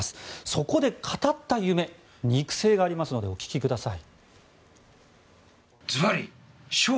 そこで語った夢肉声がありますのでお聞きください。